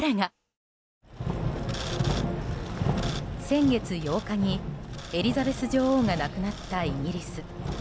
先月８日にエリザベス女王が亡くなったイギリス。